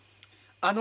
あの。